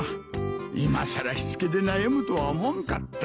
いまさらしつけで悩むとは思わんかった。